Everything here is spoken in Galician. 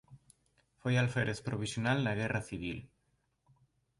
Foi Alférez Provisional na Guerra civil.